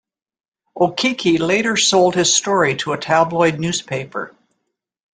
O'Keke later sold his story to a tabloid newspaper.